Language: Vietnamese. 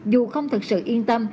dù không thật sự yên tâm